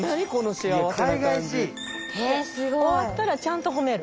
終わったらちゃんと褒める。